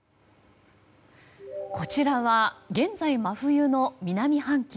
こちらは現在、真冬の南半球。